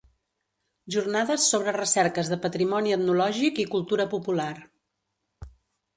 Jornades sobre recerques de Patrimoni Etnològic i Cultura Popular.